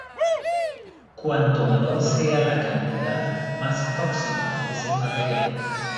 Cuanto menor sea la cantidad, más tóxico es el material.